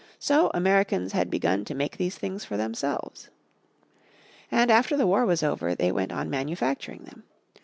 So Americans had begun to make these things for themselves. And after the war was over, they went on manufacturing them.